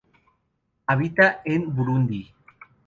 Habita en Burundi.